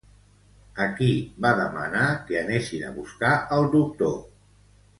A qui va demanar que anessin a buscar el doctor?